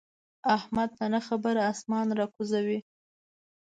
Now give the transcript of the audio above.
احمد په نه خبره اسمان را کوزوي.